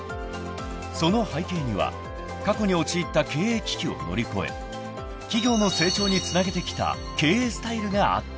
［その背景には過去に陥った経営危機を乗り越え企業の成長につなげてきた経営スタイルがあった］